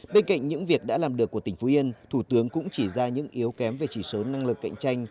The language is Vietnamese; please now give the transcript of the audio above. bên cạnh những việc đã làm được của tỉnh phú yên thủ tướng cũng chỉ ra những yếu kém về chỉ số năng lực cạnh tranh